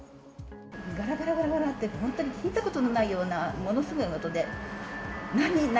がらがらがらがらって、本当に聞いたことのないような、ものすごい音で、何？